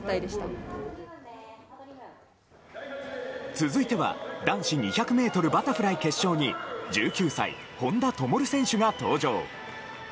続いては男子２００ｍバタフライ決勝に１９歳、本多灯選手が登場。